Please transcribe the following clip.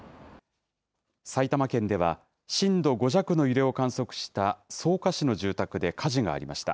埼玉県では、震度５弱の揺れを観測した草加市の住宅で火事がありました。